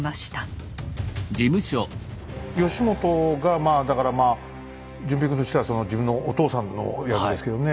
義元がまあだから淳平君としては自分のお父さんの役ですけどね。